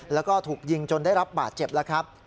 แล้วก็ถูกยิงจนได้รับบาดเจ็บแล้วครับ